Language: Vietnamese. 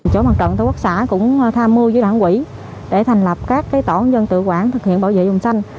chỗ mặt trận tổ quốc xã cũng tham mưu với đảng quỹ để thành lập các tổ dân tự quản thực hiện bảo vệ vùng xanh